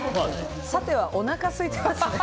さては、おなかすいていますね。